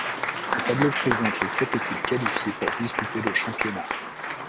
Ce tableau présente les sept équipes qualifiées pour disputer le championnat.